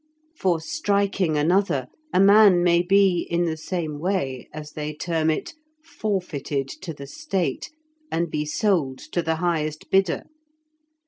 For striking another, a man may be in the same way, as they term it, forfeited to the State, and be sold to the highest bidder.